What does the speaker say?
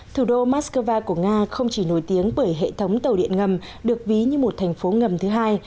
thủ đô moscow của nga không chỉ nổi tiếng bởi hệ thống tàu điện ngầm được ví như một thành phố ngầm thứ hai